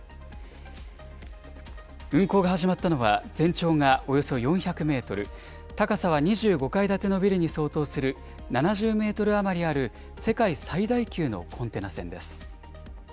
運航が始まったのは、全長がおよそ４００メートル、高さは２５階建てのビルに相当する７０メートル余りある、世界最大級のコンテナ船です。